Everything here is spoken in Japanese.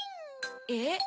えっ？